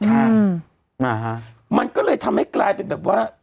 ใช่นะฮะมันก็เลยทำให้กลายเป็นแบบว่า